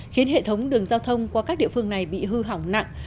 khiến hệ thống đường giao thông qua các địa phương này bị hư hỏng nặng